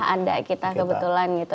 ada kita kebetulan gitu